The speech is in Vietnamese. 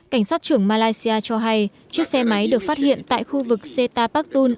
cảnh sát trưởng malaysia cho hay chiếc xe máy được phát hiện tại khu vực setapaktun